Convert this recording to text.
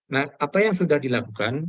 nah apa yang sudah dilakukan